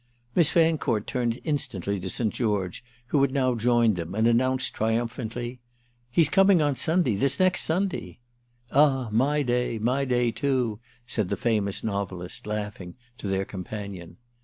Miss Fancourt turned instantly to St. George, who had now joined them, and announced triumphantly: "He's coming on Sunday—this next Sunday!" "Ah my day—my day too!" said the famous novelist, laughing, to their companion.